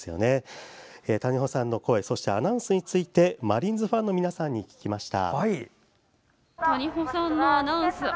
谷保さんの声そしてアナウンスについてマリーンズファンの皆さんに聞きました。